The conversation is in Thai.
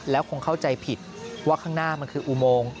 แล้วคงเข้าใจผิดว่าข้างหน้ามันคืออุโมง